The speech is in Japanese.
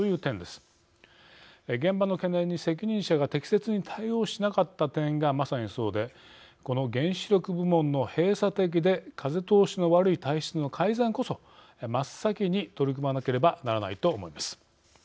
現場の懸念に責任者が適切に対応しなかった点がまさにそうでこの原子力部門の閉鎖的で風通しの悪い体質の改善こそ真っ先に取り組まなければならないと思います。